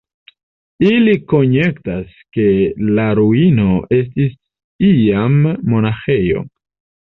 Ili konjektas, ke la ruino estis iam monaĥejo.